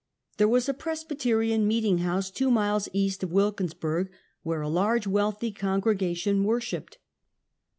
There was a Presbyterian " meeting house " two miles east of "Wilkin sburg, where a large, wealthy con gregation worshipped.